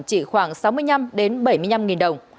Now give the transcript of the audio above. chỉ khoảng sáu mươi năm bảy mươi năm đồng